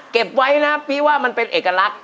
เก็บไว้นะพี่ว่ามันเป็นเอกลักษณ